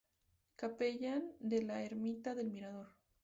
Capellán de la Ermita del Mirador.